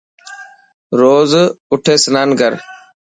روز اوٺي سنان ڪر.